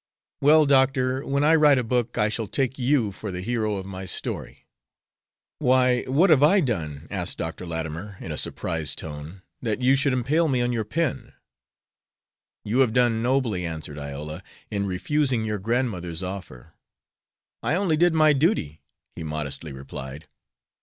"Well, Doctor, when I write a book I shall take you for the hero of my story." "Why, what have I done," asked Dr. Latimer, in a surprised tone, "that you should impale me on your pen?" "You have done nobly," answered Iola, "in refusing your grandmother's offer." "I only did my duty," he modestly replied.